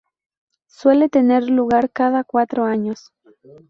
Suele tener lugar cada cuatro años.